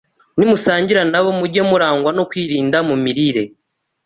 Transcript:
Nimusangira na bo, mujye murangwa no kwirinda mu mirire